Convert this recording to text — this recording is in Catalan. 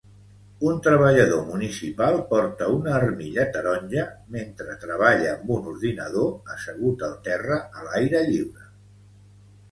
Un treballador municipal porta una armilla taronja mentre treballa amb un ordinador assegut al terra a l'aire lliure